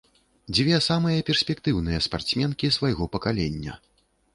Дзве самыя перспектыўныя спартсменкі свайго пакалення.